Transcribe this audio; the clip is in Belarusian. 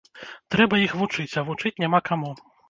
Трэба іх вучыць, а вучыць няма каму.